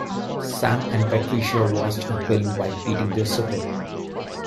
Sam and Patricia watched a film while eating their supper.